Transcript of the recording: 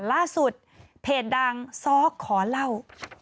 ล่าสุดเพจดังซ้อขอเล่า